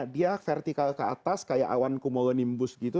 dia vertikal ke atas kayak awan kumulonimbus gitu